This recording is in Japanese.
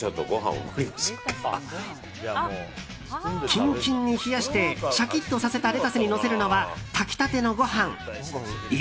キンキンに冷やしてシャキッとさせたレタスにのせるのは炊きたてのご飯。